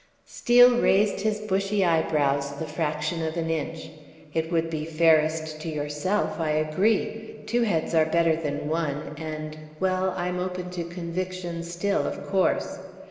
Steel raised his bushy eyebrows the fraction of an inch. "It would be fairest to yourself, I agree. Two heads are better than one, and well, I'm open to conviction still, of course."